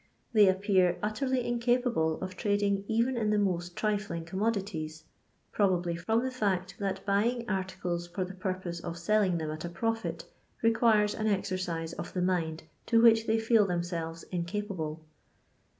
They appear utterly incapable of trading even in the most trifling commodities, probably from the fact that buying articles for the purpose of selling them at a profit, requires an exercise of the mind to which they feel themselves incapable.